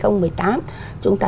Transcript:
năm hai nghìn một mươi tám chúng ta